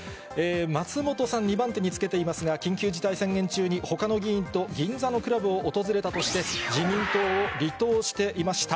松本さん、２番手につけていますが、緊急事態宣言中に、ほかの議員と銀座のクラブを訪れたとして、自民党を離党していました。